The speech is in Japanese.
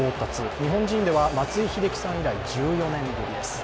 日本人では松井秀喜さん以来１４年ぶりです。